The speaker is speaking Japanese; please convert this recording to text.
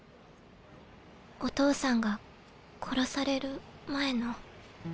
お父さんが殺される前の。